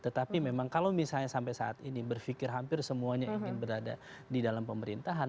tetapi memang kalau misalnya sampai saat ini berpikir hampir semuanya ingin berada di dalam pemerintahan